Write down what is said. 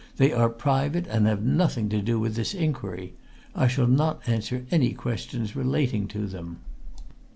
"They are private and have nothing to do with this inquiry. I shall not answer any question relating to them."